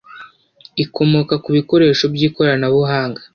ikomoka ku bikoresho by ikoranabuhanga